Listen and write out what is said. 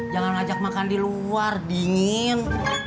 jangan ngajak makan di luar dingin